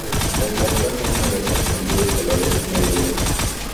Las brácteas son numerosas con vivos colores bermellón.